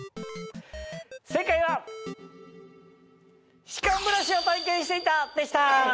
正解は歯間ブラシを体験していたでした！